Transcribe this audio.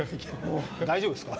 大丈夫ですか。